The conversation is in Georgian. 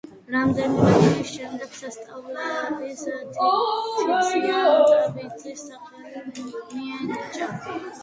რამდენიმე ხნის შემდეგ სასწავლებელს ტიციან ტაბიძის სახელი მიენიჭა.